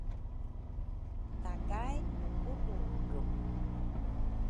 takaimukuludru.